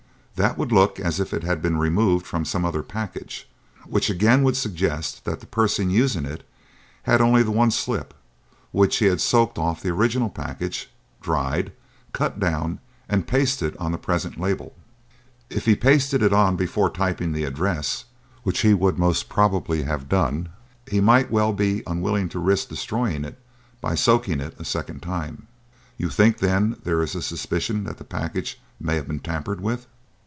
That would look as if it had been removed from some other package, which again would suggest that the person using it had only the one slip, which he had soaked off the original package, dried, cut down and pasted on the present label. If he pasted it on before typing the address which he would most probably have done he might well be unwilling to risk destroying it by soaking it a second time." "You think, then, there is a suspicion that the package may have been tampered with?"